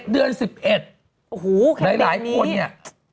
๑๑เดือน๑๑หลายคนเนี่ย